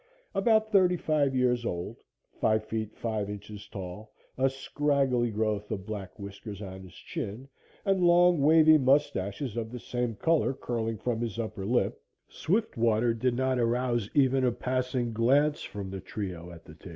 About 35 years old, five feet five inches tall, a scraggly growth of black whiskers on his chin, and long, wavy moustaches of the same color, curling from his upper lip, Swiftwater did not arouse even a passing glance from the trio at the table.